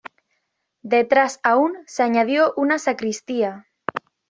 Detrás aún se añadió una sacristía.